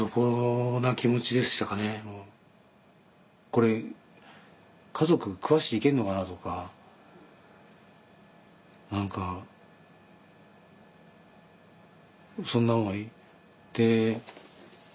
これ家族食わしていけんのかなとか何かそんなでうんあの